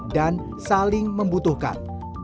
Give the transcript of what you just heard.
dan saling membutuhkan